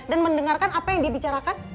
dan mendengarkan apa yang dia bicarakan